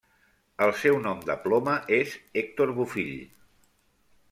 El seu nom de ploma és Hèctor Bofill.